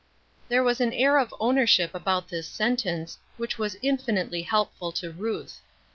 Thei e was an air of ownership about this sen tence, which was infinitely helpful to Ruth.